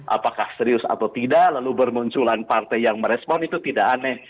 apakah serius atau tidak lalu bermunculan partai yang merespon itu tidak aneh